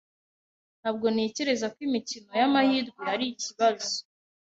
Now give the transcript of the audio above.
Ntabwo ntekereza ko imikino y’amahirwe ari ikibazo